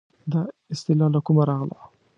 دا اصطلاح له کومه راغله.